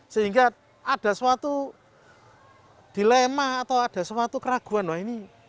sehingga ada suatu dilema atau ada suatu keraguan